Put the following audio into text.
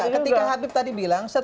ketika habib tadi bilang